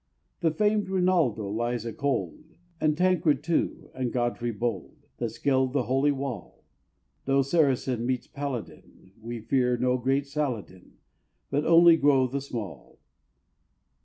The famed Rinaldo lies a cold, And Tancred too, and Godfrey bold, That scaled the holy wall! No Saracen meets Paladin, We hear of no great _Salad_in, But only grow the small!